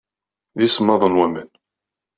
D isemmaḍen waman.